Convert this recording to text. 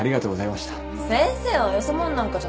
先生はよそもんなんかじゃなかよ。